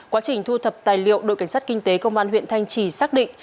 quá trình thu thập tài liệu đội cảnh sát kinh tế công an huyện thanh trì xác định